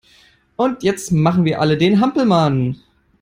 Und jetzt machen wir alle den Hampelmann!